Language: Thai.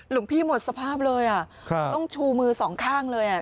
หลวงพี่หมดสภาพเลยอ่ะครับต้องชูมือสองข้างเลยอ่ะ